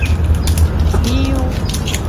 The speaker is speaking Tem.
Diiwu.